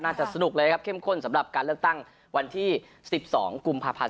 สนุกเลยครับเข้มข้นสำหรับการเลือกตั้งวันที่๑๒กุมภาพันธ์